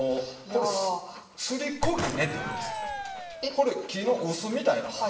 これ木の臼みたいなもんですよ。